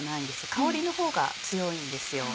香りの方が強いんですよ。